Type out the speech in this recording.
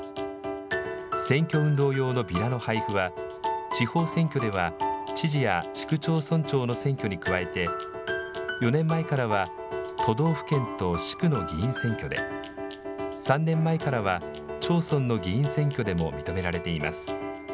選挙運動用のビラの配布は地方選挙では知事や市区町村長の選挙に加えて４年前からは都道府県と市区の議員選挙で、３年前からは町村の議員選挙でも認められています。